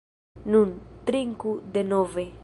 Nun, trinku denove.